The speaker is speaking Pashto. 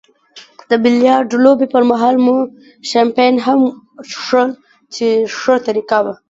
د بیلیارډ لوبې پرمهال مو شیمپین هم څیښل چې ښه طریقه وه.